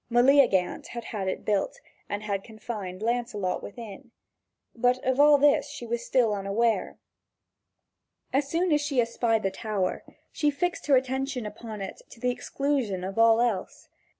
Meleagant had had it built, and had confined Lancelot within. But of all this she still was unaware. As soon as she espied the tower, she fixed her attention upon it to the exclusion of all else.